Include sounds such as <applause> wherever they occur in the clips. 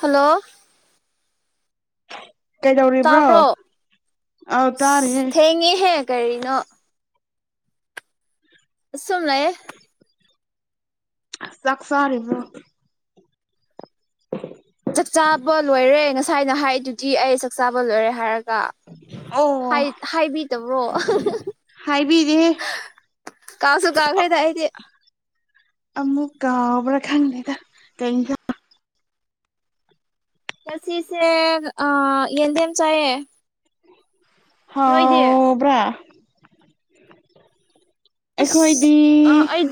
Hello ꯀꯩꯗꯧꯔꯤꯕ꯭ꯔꯣ ꯇꯥꯕ꯭ꯔꯣ ꯑꯥꯎ ꯇꯥꯔꯤꯌꯦ ꯑꯁ ꯊꯦꯡꯉꯦꯍꯦ ꯀꯔꯤꯅꯣ ꯁꯨꯝ ꯂꯩ ꯆꯥꯛꯆꯥꯔꯤꯕ꯭ꯔꯣ <inaudible> ꯆꯥꯛꯆꯥꯥꯕ ꯂꯣꯏꯔꯦ ꯉꯁꯥꯏꯅ ꯍꯥꯏꯗꯨꯗꯤ ꯑꯩ ꯆꯥꯛꯆꯥꯥꯕ ꯂꯣꯏꯔꯦ ꯍꯥꯏꯔꯒ ꯑꯣ ꯍꯥꯏ ꯍꯥꯏꯕꯤꯗꯕ꯭ꯔꯣ ꯍꯥꯏꯕꯤꯗꯦ ꯀꯥꯎꯁꯨꯨ ꯀꯥꯎꯈ꯭ꯔꯦꯗ ꯑꯩꯗꯤ ꯑꯃꯨꯛ ꯀꯥꯎꯕ꯭ꯔ ꯈꯪꯗꯦꯗ ꯀꯩ ꯏꯟꯁꯥꯡ ꯉꯁꯤꯁꯦ ꯑ ꯌꯦꯟꯗꯦꯟ ꯆꯥꯏꯌꯦ ꯅꯣꯏꯗꯤ ꯍꯥꯎꯕ꯭ꯔꯥ ꯑꯩꯈꯣꯏꯗꯤ ꯑꯁ ꯑ ꯑꯩ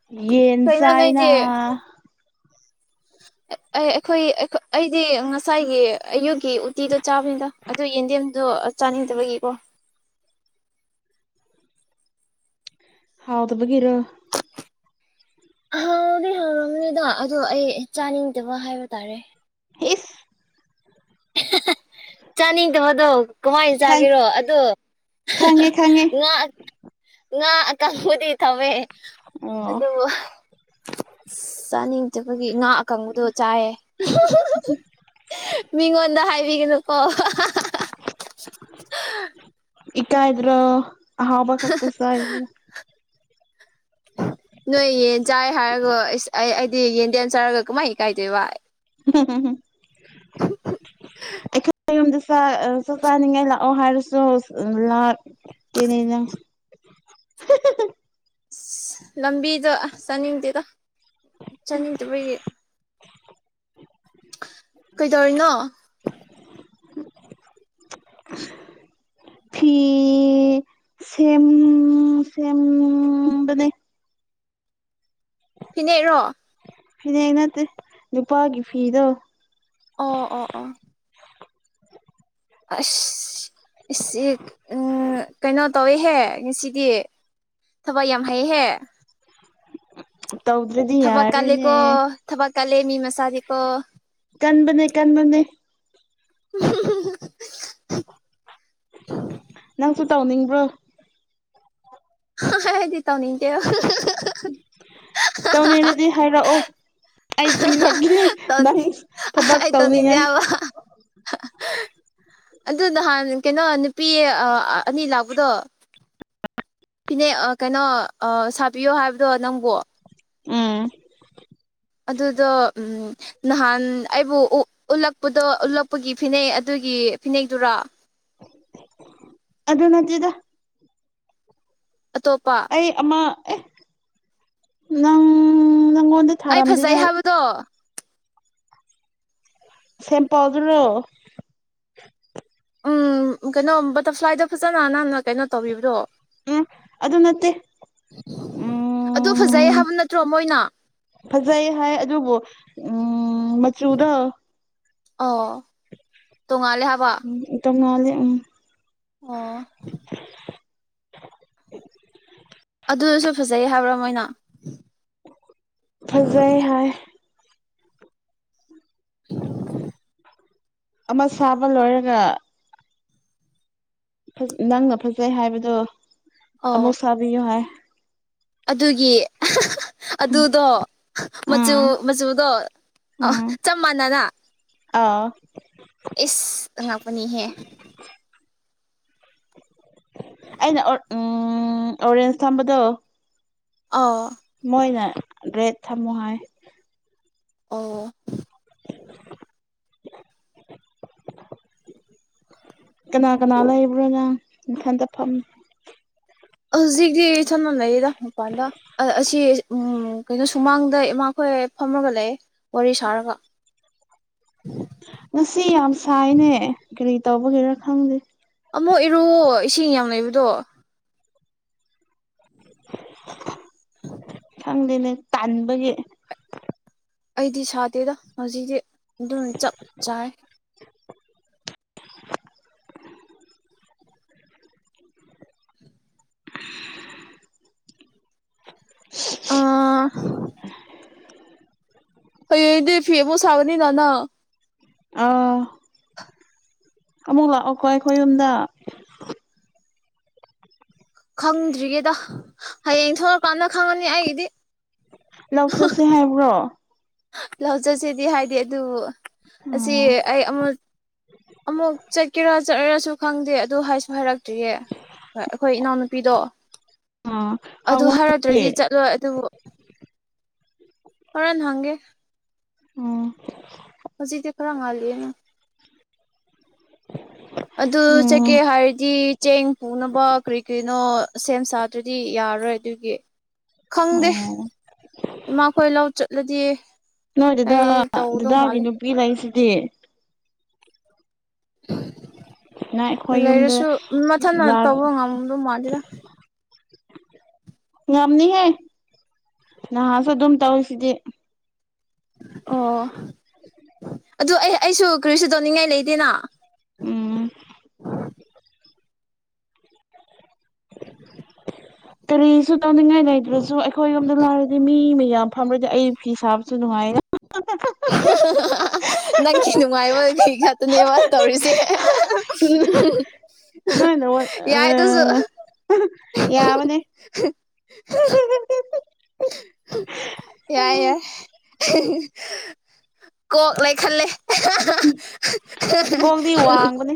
ꯑꯩꯈꯣꯏꯗꯤ ꯌꯦꯟ ꯀꯩꯅꯣ ꯆꯥꯏꯅ ꯅꯣꯏꯗꯤ ꯑꯩ ꯑꯩ ꯑꯩꯈꯣꯏ ꯑꯩꯈꯣ ꯑꯩꯗꯤ ꯉꯁꯥꯏꯒꯤ ꯑꯌꯨꯛꯀꯤ ꯎꯇꯤꯗꯣ ꯆꯥꯕꯅꯤꯗ ꯑꯗꯨ ꯌꯦꯟꯗꯦꯝꯗꯣ ꯆꯥꯅꯤꯡꯗꯕꯒꯤꯀꯣ ꯍꯥꯎꯇꯕꯒꯤꯔꯣ ꯍꯥꯎꯗꯤ ꯍꯥꯎꯔꯝꯒꯅꯤꯗ ꯑꯗꯣ ꯑꯩ ꯆꯥꯅꯤꯡꯗꯕ ꯍꯥꯏꯕ ꯇꯥꯔꯦ ꯏꯁ ꯆꯥꯅꯤꯡꯗꯕꯗꯣ ꯀꯃꯥꯏꯅ ꯈꯪ ꯆꯥꯒꯦꯔꯣ ꯑꯗꯣ ꯈꯪꯉꯦ ꯈꯪꯉꯦ ꯉꯥ ꯉ ꯥ ꯑꯀꯪꯕꯗꯤ ꯇꯧꯋꯦ ꯑꯣ ꯑꯗꯨꯕꯨ ꯑꯁ ꯆꯥꯅꯤꯡꯗꯕꯒꯤ ꯉꯥ ꯑꯀꯪꯕꯗꯣ ꯆꯥꯏꯌꯦ ꯑꯩꯉꯣꯟꯗ ꯍꯥꯏꯕꯤꯒꯅꯨꯀꯣ ꯏꯀꯥꯏꯗ꯭ꯔꯣ ꯑꯍꯥꯎꯕ ꯈꯛꯇ ꯆꯥꯏꯗꯨꯒ ꯅꯣꯏ ꯌꯦꯟ ꯆꯥꯏ ꯍꯥꯏꯔꯒ ꯑꯁ ꯑꯩ ꯑꯩꯗꯤ ꯌꯦꯟꯗꯦꯝ ꯆꯥꯔꯒ ꯀꯃꯥꯏ ꯏꯀꯥꯏꯗꯣꯏꯕ <inaudible> ꯌꯨꯝꯗ ꯆꯥ ꯑ ꯆꯥꯛ ꯆꯥꯅꯤꯡꯉꯥꯏ ꯂꯥꯛꯑꯣ ꯍꯥꯏꯔꯁꯨ ꯂꯥꯛꯇꯦꯅꯦ ꯅꯪ <inaudible> ꯑ ꯂꯝꯕꯤꯗ ꯆꯠꯅꯤꯡꯗꯦꯗ ꯆꯠꯅꯤꯡꯗꯕꯒꯤ ꯀꯩꯗꯧꯔꯤꯅꯣ <inaudible> ꯐꯤ ꯁꯦꯝ ꯁꯦꯝ ꯐꯤꯅꯦꯛꯔꯣ ꯐꯅꯦꯛ ꯅꯠꯇꯦ ꯅꯨꯄꯥꯒꯤ ꯐꯤꯗꯣ ꯑꯣ ꯑꯣ ꯑꯣ ꯑꯁ ꯑꯆꯦ ꯎꯝ ꯀꯩꯅꯣ ꯇꯧꯋꯦꯍꯦ ꯉꯁꯤꯗꯤ ꯊꯕꯛ ꯌꯥꯝ ꯍꯩꯌꯦꯍꯦ ꯇꯧꯗ꯭ꯔꯗꯤ ꯊꯕꯛ ꯌꯥꯔꯦꯅꯦ ꯀꯜꯂꯦꯀꯣ ꯊꯕꯛ ꯀꯜꯂꯦ ꯃꯤ ꯃꯆꯥꯗꯤꯀꯣ ꯀꯟꯕꯅꯦ ꯀꯟꯕꯅꯦ <unintelligible> ꯅꯪꯁꯨ ꯇꯧꯅꯤꯡꯕ꯭ꯔꯣ ꯑꯩꯗꯤ ꯇꯧꯅꯤꯡꯗꯦ ꯇꯧꯅꯤꯡꯔꯗꯤ ꯍꯥꯏꯔꯛꯑꯣ ꯑꯩ ꯄꯤꯔꯛꯀꯦ ꯅꯪ ꯇꯧꯅꯤꯡ ꯊꯕꯛ ꯑꯩ ꯇꯧꯅꯤꯡꯗꯦ ꯇꯧꯅꯤꯉꯥꯏ ꯍꯥꯏꯕ ꯑꯗꯨ ꯅꯍꯥꯟ ꯀꯩꯅꯣ ꯅꯨꯄꯤ ꯑ ꯑꯅꯤ ꯂꯥꯛꯄꯗꯣ ꯐꯤꯅꯦꯛ ꯑꯥ ꯀꯩꯅꯣ ꯑꯥ ꯁꯥꯕꯤꯌꯣ ꯍꯥꯏꯕꯗꯣ ꯅꯪꯕꯣ ꯎꯨꯝ ꯑꯗꯨꯗꯣ ꯎꯝ ꯅꯍꯥꯟ ꯑꯩꯕꯨ ꯎ ꯎꯠꯂꯛꯄꯗꯣ ꯎꯠꯂꯛꯄꯒꯤ ꯐꯤꯅꯦꯛ ꯑꯗꯨꯒꯤ ꯐꯤꯅꯦꯛꯗꯨꯔꯥ ꯑꯗꯨ ꯅꯠꯇꯦꯗ ꯑꯇꯣꯞꯄ ꯑꯩ ꯑꯃ ꯑꯦ ꯅꯪ ꯅꯪꯉꯣꯟꯗ ꯑꯩ ꯐꯖꯩ ꯊꯥꯔꯝꯗꯦꯗ ꯍꯥꯏꯕꯗꯣ ꯁꯦꯝꯄꯜꯗꯨꯔꯣ ꯎꯝ ꯀꯩꯅꯣ ꯕꯇꯔꯐ꯭ꯂꯥꯏꯗ ꯐꯖꯅ ꯅꯥꯟꯅ ꯀꯩꯅꯣ ꯇꯧꯕꯤꯕꯗꯣ ꯎꯝ ꯑꯗꯨ ꯅꯠꯇꯦ ꯑꯗꯨ ꯐꯖꯩ ꯎꯝ ꯍꯥꯏꯕ ꯅꯠꯇ꯭ꯔꯣ ꯃꯣꯏꯅ ꯐꯖꯩ ꯍꯥꯏ ꯑꯗꯨꯕꯨ ꯎꯝ ꯃꯆꯨꯗꯣ ꯑꯣ ꯇꯣꯡꯉꯥꯜꯂꯦ ꯍꯥꯏꯕ ꯎꯝ ꯇꯣꯡꯉꯥꯜꯂꯦ ꯎꯝ ꯑꯣ <inaudible> ꯑꯗꯨꯑꯣꯏꯁꯨ ꯐꯖꯩ ꯍꯥꯏꯕ꯭ꯔꯥ ꯃꯣꯏꯅ ꯐꯖꯩ ꯍꯥꯏ <inaudible> ꯑꯃ ꯁꯥꯕ ꯂꯣꯏꯔꯒ ꯐꯥ ꯅꯪꯅ ꯐꯖꯩ ꯍꯥꯏꯕꯗꯣ ꯑꯣ ꯑꯃꯨꯛ ꯁꯥꯕꯤꯌꯨ ꯍꯥꯏ ꯑꯗꯨꯒꯤ ꯑꯗꯨꯗꯣ ꯃꯆꯨ ꯎꯝ ꯃꯆꯨꯗꯣ ꯑꯣ ꯎꯝ ꯆꯞ ꯃꯥꯟꯅꯅ ꯑꯥꯎ ꯏꯁ ꯑꯉꯥꯛꯄꯅꯤꯍꯦ <inaudible> ꯑꯩꯅ ꯑꯣꯔ ꯎꯨ ꯑꯣꯔꯦꯟꯖ ꯊꯝꯕꯗꯣ ꯑꯥꯎ ꯃꯣꯏꯅ ꯔꯦꯠ ꯊꯝꯃꯣ ꯍꯥꯏ ꯑꯣ <inaudible> ꯀꯅꯥ ꯀꯅꯥ ꯂꯩꯕ꯭ꯔꯥ ꯅꯪ ꯅꯊꯟꯇ ꯐꯝ ꯍꯧꯖꯤꯛꯇꯤ ꯏꯊꯟꯇꯥ ꯂꯩꯌꯦꯗ ꯃꯄꯥꯟꯗ ꯑ ꯑꯁꯤ ꯎꯨꯝ ꯀꯩꯅꯣ ꯁꯨꯃꯥꯡꯗ ꯏꯃꯥꯈꯣꯏ ꯐꯝꯃꯒ ꯂꯩ ꯋꯥꯔꯤ ꯁꯥꯔꯒ ꯉꯁꯤ ꯌꯥꯝ ꯁꯥꯏꯅꯦ ꯀꯔꯤ ꯇꯧꯕꯒꯤꯔꯥ ꯈꯪꯗꯦ ꯑꯃꯛ ꯏꯔꯨꯑꯣ ꯏꯁꯤꯡ ꯌꯥꯝ ꯂꯩꯕꯗꯣ ꯈꯪꯗꯦꯅꯦ ꯇꯥꯟꯕꯒꯤ ꯑꯩꯗꯤ ꯁꯥꯗꯦꯗ ꯍꯧꯖꯤꯛꯇꯤ ꯑꯗꯨꯝ ꯆꯞ ꯆꯥꯏꯌꯦ <inaudible> <unintelligible> ꯑꯥ ꯍꯌꯦꯡꯗꯤ ꯐꯤ ꯑꯃꯨꯛ ꯁꯥꯒꯅꯤꯅ ꯅꯪ ꯑꯥ ꯑꯃꯨꯛ ꯂꯥꯛꯑꯣꯀꯣ ꯑꯈꯣꯏ ꯌꯨꯝꯗ ꯈꯪꯗ꯭ꯔꯤꯌꯦꯗ ꯍꯌꯦꯡ ꯊꯣꯛꯂꯛꯀꯥꯟꯗ ꯈꯪꯉꯅꯤ ꯑꯩꯒꯤꯗꯤ ꯂꯧ ꯆꯠꯁꯦ ꯍꯥꯏꯕ꯭ꯔꯣ ꯂꯧꯆꯁꯤꯗꯤ ꯍꯥꯏꯗꯤ ꯑꯗꯨ ꯑꯁꯤ ꯑꯣ ꯑꯩ ꯑꯃꯨꯛ ꯑꯃꯨꯛ ꯆꯠꯀꯦꯔꯥ ꯆꯠꯂꯔꯁꯨ ꯈꯪꯗꯦ ꯑꯗꯨ ꯍꯥꯏꯁꯨ ꯍꯥꯏꯔ ꯇ꯭ꯔꯤꯌꯦ ꯍꯣꯏ ꯑꯈꯣꯏ ꯏꯅꯥꯎꯅꯨꯄꯤꯗꯣ ꯑꯥ ꯑꯗꯨ ꯍꯪꯉꯨ ꯍꯥꯏꯔꯗ꯭ꯔꯗꯤ ꯆꯠꯂꯣꯏ ꯑꯗꯨꯕꯨ ꯍꯣꯔꯦꯟ ꯍꯪꯒꯦ ꯎꯝ ꯍꯧꯖꯤꯛꯗꯤ ꯈꯔ ꯉꯜꯂꯤꯌꯦꯅ ꯑꯗꯨ ꯎꯝ ꯆꯠꯀꯦ ꯍꯥꯏꯔꯗꯤ ꯆꯦꯡ ꯄꯨꯅꯕ ꯀ꯭ꯔꯤ ꯀ꯭ꯔꯤꯅꯣ ꯁꯦꯝ ꯁꯥꯗ꯭ꯔꯗꯤ ꯌꯥꯔꯔꯣꯏ ꯑꯗꯨꯒꯤ ꯈꯪꯗꯦ ꯑꯣ ꯏꯃꯥ ꯈꯣꯏ ꯂꯥꯎ ꯆꯠꯂꯗꯤ ꯅꯣꯏ ꯗꯥ ꯑꯩ ꯗꯥꯒꯤ ꯇꯧꯗꯧ ꯗꯥꯗꯥꯒꯤ ꯃꯥꯜꯂꯦ ꯅꯨꯄꯤ ꯂꯩꯁꯤꯗꯤ ꯅ ꯑꯩꯈꯣꯏ ꯌꯨꯝꯗ ꯂꯩꯔꯁꯨ ꯃꯊꯟꯅ ꯇꯧꯕ ꯉꯝꯗꯧ ꯃꯥꯟꯗꯤꯗ ꯉꯝꯅꯤꯍꯦ ꯅꯍꯥꯁꯨ ꯑꯗꯨꯝ ꯇꯧꯌꯤꯁꯤꯗꯤ ꯑꯣ ꯑꯗꯨ ꯑꯩ ꯑꯩꯁꯨ ꯀꯔꯤꯁꯨ ꯇꯧꯅꯤꯡꯉꯥꯏ ꯂꯩꯇꯦꯅ ꯎꯝ ꯀꯔꯤꯁꯨ ꯇꯧꯅꯤꯡꯉꯥꯏ ꯂꯩꯗ꯭ꯔꯁꯨ ꯑꯩꯈꯣꯏ ꯌꯣꯝꯗ ꯂꯥꯛꯔꯗꯤ ꯃꯤ ꯃꯌꯥꯝ ꯐꯝꯔꯗꯤ ꯑꯩ ꯐꯤ ꯁꯥꯕꯁꯨ ꯅꯨꯡꯉꯥꯏ ꯅꯪꯒꯤ ꯅꯨꯡꯉꯥꯏꯕꯒꯤ ꯉꯥꯛꯇꯅꯦꯕ ꯇꯧꯔꯤꯁꯦ <unintelligible> ꯌꯥꯏ ꯑꯗꯨꯁꯨ <unintelligible> ꯑ ꯌꯥꯕꯅꯦ <inaudible> ꯌꯥꯏ ꯌꯥꯏ ꯀꯣꯛ ꯂꯩꯈꯠꯂꯦ ꯒꯣꯜꯗꯤ ꯋꯥꯕꯅꯦ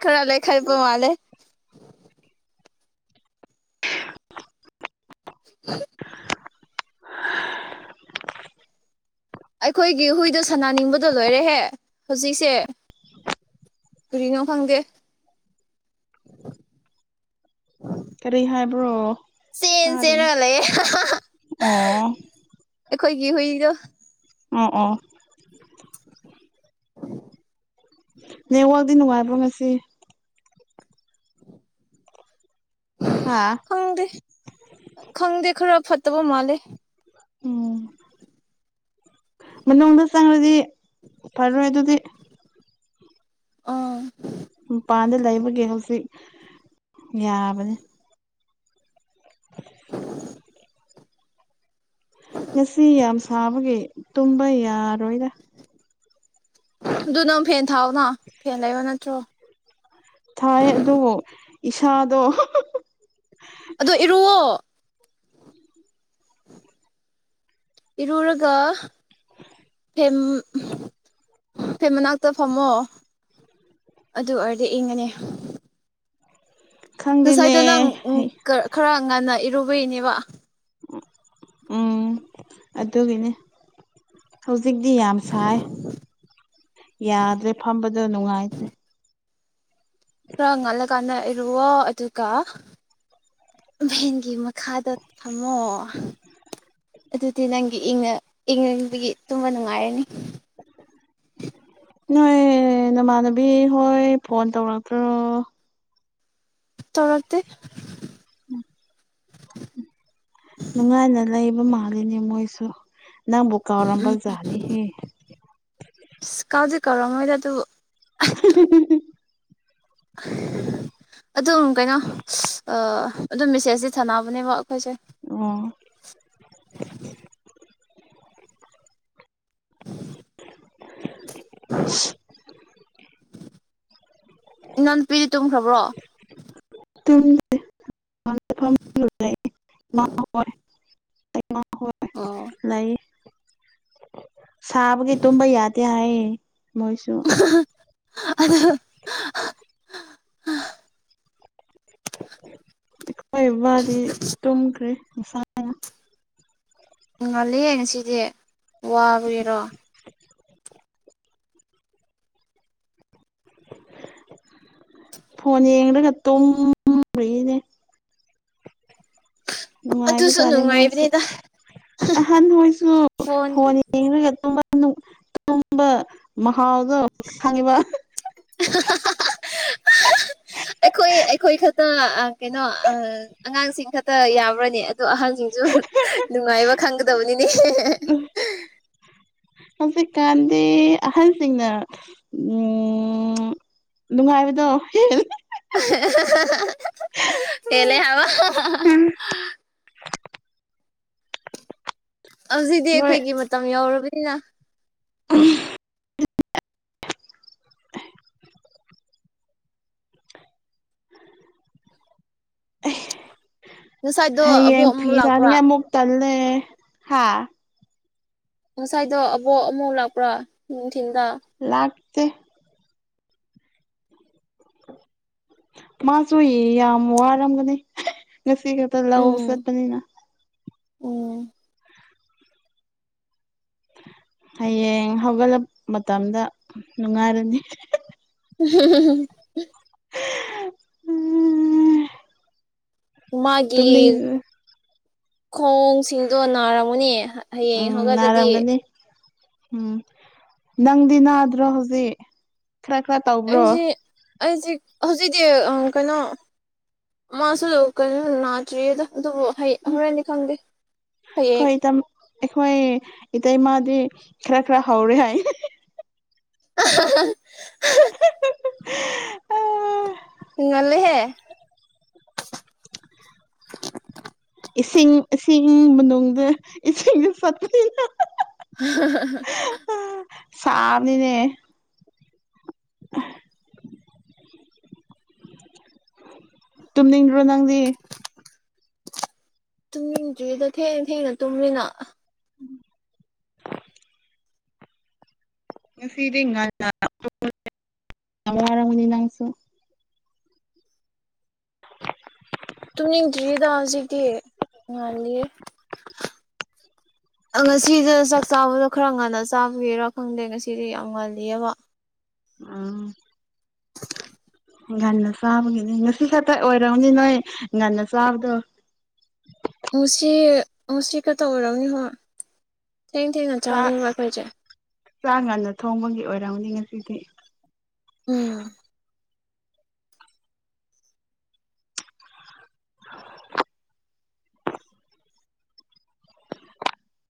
ꯈꯔ ꯂꯩꯈꯥꯠꯄ ꯃꯥꯜꯂꯦ <inaudible> ꯑꯩꯈꯣꯏꯒꯤ ꯍꯨꯏꯗꯨ ꯁꯅꯥꯅꯤꯡꯕꯗꯣ ꯂꯣꯏꯔꯦꯍꯦ ꯍꯨꯖꯤꯛꯁꯦ ꯀꯨꯔꯤꯅꯣ ꯈꯪꯗꯦ ꯀꯔꯤ ꯍꯥꯏꯕ꯭ꯔꯣ ꯆꯦꯟ ꯆꯦꯟꯔ ꯇꯥꯗꯦꯅꯦ ꯂꯩꯌꯦ ꯑꯣ ꯑꯩꯈꯣꯏꯒꯤ ꯍꯨꯏꯗꯣ ꯑꯣ ꯑꯣ ꯅꯦꯠꯋꯥꯛꯇꯤ ꯅꯨꯡꯉꯥꯏꯕ꯭ꯔ ꯉꯁꯤ ꯍꯥ ꯈꯪꯗꯦ ꯈꯪꯗꯦ ꯈꯔ ꯐꯠꯇꯕ ꯃꯥꯜꯂꯦ ꯎꯝ ꯃꯅꯨꯡꯗꯗ ꯆꯪꯔꯗꯤ ꯐꯔꯣꯏ ꯑꯗꯨꯗꯤ ꯑ ꯃꯄꯥꯟꯗ ꯂꯩꯕꯒꯤ ꯍꯧꯖꯤꯛ ꯌꯥꯕꯅꯤ ꯫ <inaudible> ꯉꯁꯤ ꯌꯥꯝ ꯁꯥꯕꯒꯤ ꯇꯨꯝꯕ ꯌꯥꯔꯣꯏꯗ ꯫ ꯑꯗꯨ ꯅꯪꯨ ꯐꯦꯟ ꯊꯥꯎꯑꯣꯅ ꯐꯦꯟ ꯂꯩꯕ ꯅꯠꯇ꯭ꯔꯣ? ꯊꯥꯏ ꯑꯗꯨꯕꯨ ꯏꯁꯥꯗꯣ ꯑꯗꯣ ꯏꯔꯨꯋ‌ꯣ <inaudible> ꯏꯔꯨꯔꯒ ꯐ‌ꯦꯟ ꯃꯅꯥꯛꯇ ꯐꯝꯃꯣ ꯫ <inaudible> ꯑꯗꯨ ꯑꯣꯏꯔꯗꯤ ꯏꯪꯉꯅꯤ ꯫ ꯉꯁꯥꯏꯗ‌ꯣ ꯅꯪ ꯈꯪꯗꯦꯅꯦ ꯈꯔ ꯉꯟꯅ ꯏꯔꯨꯕꯩꯅꯦꯕ ꯫ ꯎꯝ ꯑꯗꯨꯒꯤꯅꯦ ꯫ ꯍꯧꯖꯤꯛꯇꯤ ꯌꯥꯝ ꯁꯥꯏ ꯌꯥꯗ꯭ꯔꯦ ꯐꯝꯕꯗ‌ꯣ ꯅꯨꯡꯉꯥꯏꯇ꯭ꯔꯦ ꯫ ꯈꯔ ꯉꯜꯂ ꯀꯥꯟꯅ ꯏꯣꯋ‌ꯣ ꯑꯗꯨꯒ ꯚꯦꯟꯒꯤ ꯃꯈꯥꯗ ꯐꯝꯃꯣ ꯑꯗꯨꯗꯤ ꯅꯪꯒꯤ ꯏꯪꯉ ꯏꯪꯉꯪꯕꯒꯤ ꯇꯨꯝꯕ ꯅꯨꯡꯉꯥꯏꯔꯅꯤ ꯫ <inaudible> ꯅꯣꯏ ꯅꯃꯥꯟꯅꯕꯤ ꯍꯣꯏ ꯐꯣꯟ ꯇꯧꯔꯛꯇ꯭ꯔꯣ? ꯇꯧꯔꯛꯇ‌ꯦ ꯎꯝ ꯅꯨꯡꯉꯥꯏꯅ ꯂꯩꯕ ꯃꯥꯜꯂꯤꯅꯦ ꯃꯣꯏꯁꯨ ꯅꯪꯕꯨ ꯀꯥꯎꯔꯝꯕ ꯖꯥꯠꯅꯤꯍꯦ ꯫ ꯑꯁ ꯀꯥꯎꯗꯩ ꯀꯥꯎꯔꯝꯃ‌ꯣꯏꯗ ꯑꯗꯨ <unintelligible> <inaudible> ꯑꯗꯨꯝ ꯀꯩꯅꯣ ꯑꯥ ꯑꯗꯨꯝ ꯃꯦꯁꯦꯖꯇꯤ ꯊꯥꯅꯕꯅꯦꯕ ꯑꯩꯈꯣꯏꯁꯦ ꯫ ꯑꯣ ꯅꯅꯥꯎ ꯅꯨꯄꯤꯗꯤ ꯇꯨꯝꯈ꯭ꯔꯕ꯭ꯔꯣ? ꯇꯨꯝꯗ‌ꯦ <unintelligible> <unintelligible> ꯑꯣ ꯂꯩ ꯁꯥꯕꯒꯤ ꯇꯨꯝꯕ ꯌꯥꯗꯦ ꯍꯥꯏꯌꯦ ꯃꯣꯏꯁꯨ ꯫ ꯑꯗꯨ ꯍꯣꯏ ꯃꯥꯗꯤ ꯇꯨꯝꯈ꯭ꯔꯦ ꯉꯁꯥꯏ ꯫ ꯎꯝ ꯉꯥꯜꯂꯤꯍ‌ꯦ ꯉꯁꯤꯗꯤ ꯋꯥꯕꯒꯤꯔꯣ? <inaudible> ꯐꯣꯟ ꯌꯦꯡꯔꯒ ꯇꯣꯝꯔꯤꯅꯦ ꯫ ꯑꯗꯨꯁꯨ ꯅꯨꯡꯉꯥꯏꯕꯖꯥꯠꯅꯦ ꯃꯣꯏꯁꯨ ꯅꯨꯡꯉꯥꯏꯕꯅꯤꯗ ꯑꯍꯟ ꯍꯣꯏꯁꯨ ꯐꯣꯟ ꯌꯦꯡꯔꯒ ꯇꯨꯝꯕ <unintelligible> ꯇꯨꯝꯕ ꯃꯍꯥꯎꯗꯣ ꯈꯪꯉꯤꯕ <unintelligible> ꯑꯩꯈꯣꯏ ꯑꯩꯈꯣꯏ ꯈꯛꯇ ꯑ ꯀꯩꯅꯣ ꯑꯉꯥꯡꯁꯤꯡ ꯈꯛꯇ ꯌꯥꯕ꯭ꯔꯅ‌ꯦ? ꯑꯗꯣ ꯑꯍꯟꯁꯤꯡꯁꯨ ꯅꯨꯡꯉꯥꯏꯕ ꯈꯪꯒꯗꯕꯅꯤꯅꯦ ꯫ ꯍꯧꯖꯤꯛꯀꯥꯟꯗꯤ ꯑꯍꯟꯁꯤꯡꯅ ꯎꯝ ꯅꯨꯡꯉꯥꯏꯕꯗꯣ ꯍ‌ꯦꯜ ꯍ‌ꯦꯜꯂ‌ꯦ ꯍꯥꯏꯕ ꯫ ꯑꯧꯖꯤꯗꯤ ꯅꯣꯏ ꯑꯩꯈꯣꯢꯒꯤ ꯃꯇꯝ ꯌꯥꯎꯔꯕꯅꯤꯅ ꯎꯝ ꯉꯁꯥꯏꯗꯣ ꯑꯕꯣꯛ ꯍꯌꯦꯡ ꯐꯤ ꯑꯃꯨꯛ ꯂꯥꯛꯄ꯭ꯔꯥ ꯁꯅꯤꯉꯥꯢ ꯑꯃꯨꯛ ꯇꯜꯂꯦ ꯍꯥꯥ ꯉꯁꯥꯢꯗꯣ ꯑꯕꯣꯛ ꯑꯃꯨ ꯂꯥꯛꯄ꯭ꯔꯥ ꯅꯨꯡꯊꯤꯟꯗ ꯂꯥꯛꯇꯦ ꯃꯥꯁꯨꯨ ꯌꯥꯝ ꯋꯥꯔꯝꯒꯅꯤ ꯉꯁꯤ ꯈꯛꯇ ꯂꯧ ꯎꯝ ꯆꯠꯄꯅꯤꯅ ꯎꯝ ꯍꯌꯦꯡ ꯍꯧꯒꯠꯂꯞ ꯃꯇꯝꯗ ꯅꯨꯡꯉꯥꯢꯔꯅꯤ <unintelligible> ꯃꯥꯒꯤ ꯇꯨꯝꯅꯤꯡ ꯈꯣꯡꯁꯤꯡꯗꯣ ꯅꯥꯔꯝꯒꯅꯤ ꯍꯌꯦꯡ ꯎꯝ ꯍꯧꯒꯠꯂꯗꯤ ꯅꯥꯔꯝꯒꯅꯤ ꯎꯝ ꯅꯪꯗꯤ ꯅꯥꯗ꯭ꯔꯣ ꯍꯧꯖꯤꯛ ꯈꯔ ꯈꯔ ꯇꯧ ꯑꯩꯖꯤ ꯑꯩꯖꯤ ꯍꯧꯖꯤꯛꯇꯤ ꯑ ꯀꯩꯅꯣ ꯃꯥꯁꯨ ꯂꯨ ꯀꯩꯅꯣ ꯅꯥꯇ꯭ꯔꯤꯌꯦꯗ ꯑꯗꯨꯕꯨ ꯍꯩ ꯍꯣꯔꯦꯟꯗꯤ ꯈꯪꯗꯦ ꯍꯌꯦꯡ ꯑꯩꯈꯣꯢ ꯏꯇꯩꯃꯗꯤ ꯈꯔ ꯈꯔ ꯍꯧꯔꯦ ꯍꯥꯢꯌꯦ <unintelligible> <unintelligible> ꯑꯨꯡ ꯉꯜꯂꯦꯍꯦ <unintelligible> ꯏꯁꯤꯡ ꯏꯁꯤꯡ ꯃꯅꯨꯡꯗ ꯏꯁꯤꯡꯗ ꯐꯠꯇꯅꯗ <unintelligible> ꯁꯥꯕꯅꯤꯅꯦ ꯎꯝ ꯇꯨꯝꯅꯤꯡꯗ꯭ꯔꯣ ꯅꯪꯗꯤ ꯇꯨꯝꯅꯤꯡꯗ꯭ꯔꯤꯗ ꯊꯦꯡꯅ ꯊꯦꯡꯅ ꯇꯨꯝꯃꯤꯅ ꯎꯝ ꯅꯤꯌꯨ ꯐꯤꯗꯤꯡ <unintelligible> ꯌꯥꯝ ꯋꯥꯔꯝꯃꯅꯤ ꯅꯪꯁꯨ <unintelligible> ꯇꯨꯝꯅꯤꯡꯗ꯭ꯔꯤꯗ ꯍꯧꯖꯤꯛꯇꯤ ꯉꯥꯜꯂꯤꯌꯦ <inaudible> ꯑ ꯉꯁꯤꯗ ꯆꯥꯛ ꯆꯥꯕꯗꯣ ꯈꯔ ꯉꯟꯅ ꯆꯥꯕꯒꯤꯔꯥ ꯈꯪꯗꯦ ꯉꯁꯤꯗꯤ ꯌꯥꯝ ꯉꯜꯂꯤꯑꯕ ꯎꯝ <unintelligible> ꯉꯟꯅ ꯆꯥꯕꯒꯤꯅꯦ ꯉꯁꯤ ꯈꯛꯇ ꯑꯣꯢꯔꯝꯅꯤ ꯅꯣꯢ ꯉꯟꯅ ꯆꯥꯕꯗꯣ ꯉꯁꯤ ꯉꯁꯤ ꯈꯠꯇ ꯑꯣꯢꯔꯝꯅꯤ ꯍꯣ ꯊꯦꯡ ꯊꯦꯡꯅ ꯆꯥꯕꯅꯦꯕ ꯑꯩꯈꯣꯢꯁꯦ ꯆꯥ ꯉꯟꯅ ꯊꯣꯡꯕꯒꯤ ꯑꯣꯢꯔꯝꯅꯤ ꯉꯁꯤꯁꯦ ꯎꯝ